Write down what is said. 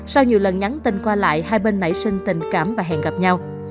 sau nhiều lần nhắn tin qua lại hai bên nảy sinh tình cảm và hẹn gặp nhau